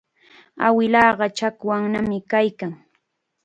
Awilanqa chakwannam kaykan.